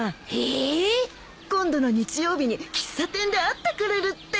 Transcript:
ええ！？今度の日曜日に喫茶店で会ってくれるって。